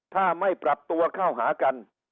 ถ้าไม่ปรับตัวเข้าหากัน